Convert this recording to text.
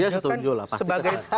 dia setuju lah pak